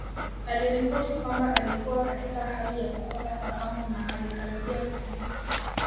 Aliripoti kwamba alikuwa katika hali ya kukosa fahamu na alikaribia kufa